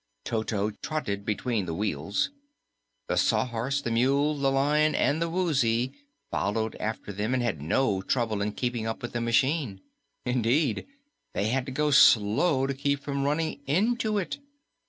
Toto trotted between the wheels. The Sawhorse, the Mule, the Lion and the Woozy followed after and had no trouble in keeping up with the machine. Indeed, they had to go slow to keep from running into it.